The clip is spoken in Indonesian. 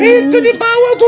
itu di bawah tuh